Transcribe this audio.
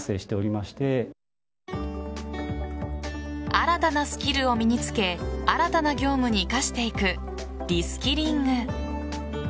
新たなスキルを身につけ新たな業務に生かしていくリスキリング。